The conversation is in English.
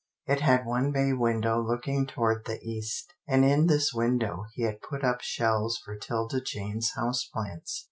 It had one bay window looking toward the east, and in this window he had put up shelves for 'Tilda Jane's house plants.